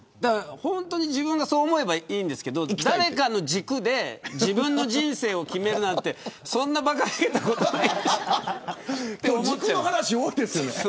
本当に自分がそう思えばいいんですけど誰かの軸で自分の人生を決めるなんてそんな馬鹿げたことはないと思っちゃいます。